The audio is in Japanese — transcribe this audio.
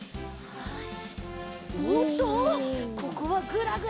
よし！